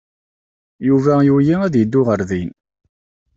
Yuba yugi ad yeddu ɣer din.